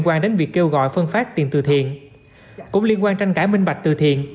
quan đến việc kêu gọi phân phát tiền từ thiện cũng liên quan tranh cãi minh bạch từ thiện